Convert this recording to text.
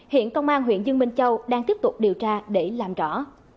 hiện công an huyện dương minh châu đang tiếp tục điều tra để làm rõ